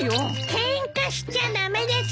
ケンカしちゃ駄目です！